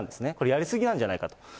やり過ぎなんじゃないかと。